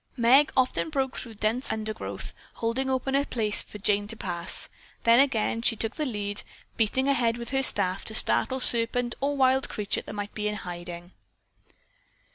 Meg often broke through dense undergrowth, holding open a place for Jane to pass, then again she took the lead, beating ahead with her staff to startle serpent or wild creature that might be in hiding.